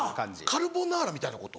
カルボナーラみたいなこと？